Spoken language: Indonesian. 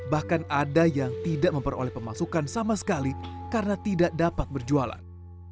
bahkan ada yang tidak memperoleh pemasukan sama sekali karena tidak dapat berjualan